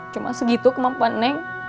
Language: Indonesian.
cuma segitu kemampuan neng